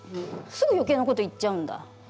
すぐよけいなこと言っちゃうんだ。